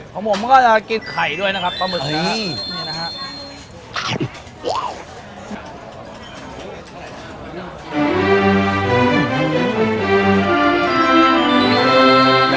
ของผมก็จะกินไข่ด้วยนะครับปลาหมึกนี้นะฮะ